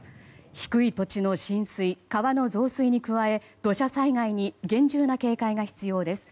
低い土地の浸水、川の増水に加え土砂災害に厳重な警戒が必要です。